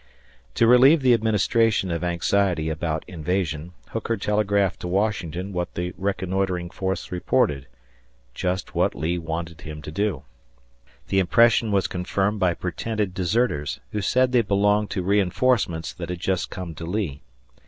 To relieve the Administration of anxiety about invasion, Hooker telegraphed to Washington what the reconnoitring force reported just what Lee wanted him to do. The impression was confirmed by pretended deserters, who said they belonged to reinforcements that had just come to Lee.